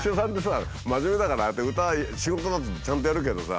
真面目だからああやって歌仕事だとちゃんとやるけどさ